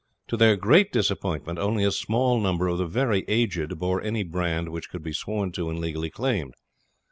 To their great disappointment, only a small number of the very aged bore any brand which could be sworn to and legally claimed.